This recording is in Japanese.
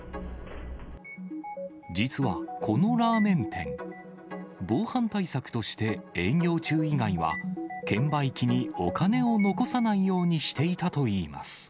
実はこのラーメン店、防犯対策として営業中以外は、券売機にお金を残さないようにしていたといいます。